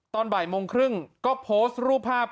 ตอนบ่ายโมงครึ่งก็โพสต์รูปภาพ